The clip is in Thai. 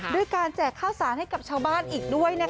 ด้วยการแจกข้าวสารให้กับชาวบ้านอีกด้วยนะคะ